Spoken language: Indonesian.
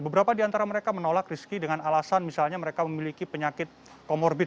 beberapa di antara mereka menolak rizky dengan alasan misalnya mereka memiliki penyakit komorbid